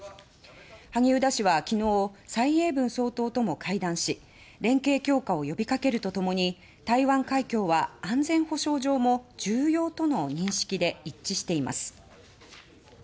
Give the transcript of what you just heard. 萩生田氏は昨日蔡英文総統とも会談し連携強化を呼びかけると共に台湾海峡は安全保障上も重要との認識で一致しています。